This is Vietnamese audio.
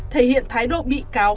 thể hiện thái độ bị cáo